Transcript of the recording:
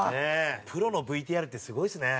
プロのＶＴＲってすごいですね。